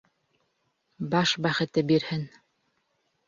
Баш бәхете бирһен.